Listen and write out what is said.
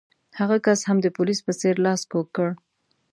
هغه کس هم د پولیس په څېر لاس کوږ کړ.